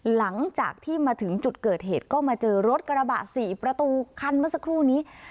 หลังจากที่มาถึงจุดเกิดเหตุก็มาเจอรถกระบะ๔ประตูคันเมื่อสักครู่นี้